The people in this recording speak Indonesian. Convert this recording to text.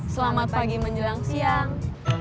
selamat pagi menjelang siang